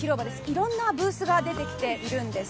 いろんなブースが出てきているんです。